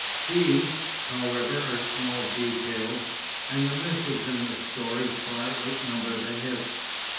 These, however, are small details, and the misses in the story far outnumber the hits.